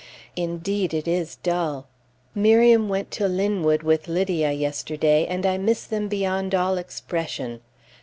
Indeed it is dull. Miriam went to Linwood with Lydia yesterday, and I miss them beyond all expression.